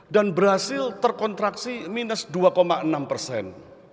dan brazil terkontraksi minus dua enam persen